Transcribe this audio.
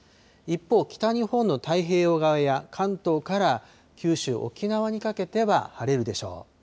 一方、北日本の太平洋側や関東から九州、沖縄にかけては晴れるでしょう。